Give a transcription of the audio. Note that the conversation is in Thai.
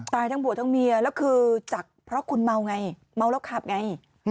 ทั้งผัวทั้งเมียแล้วคือจักรเพราะคุณเมาไงเมาแล้วขับไง